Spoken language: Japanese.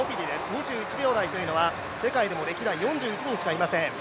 ２１秒台というのは世界でも歴代で４１人しかいません。